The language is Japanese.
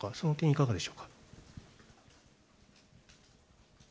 いかがでしょうか。